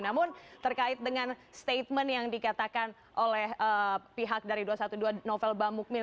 namun terkait dengan statement yang dikatakan oleh pihak dari dua ratus dua belas novel bamukmin